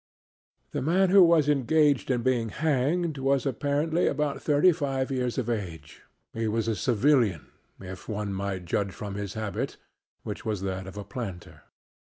The man who was engaged in being hanged was apparently about thirty five years of age. He was a civilian, if one might judge from his habit, which was that of a planter.